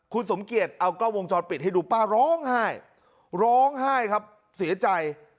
คุณสมเกียจเอากล้องวงจรปิดให้ดูป้าร้องไห้ร้องไห้ครับเสียใจ